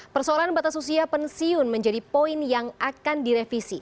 persoalan batas usia pensiun menjadi poin yang akan direvisi